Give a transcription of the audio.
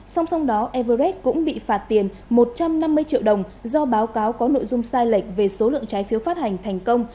song song đó everest cũng bị phạt tiền một trăm năm mươi triệu đồng do báo cáo có nội dung sai lệch về số lượng trái phiếu phát hành thành công